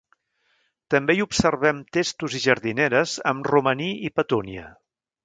També hi observem testos i jardineres amb romaní i petúnia.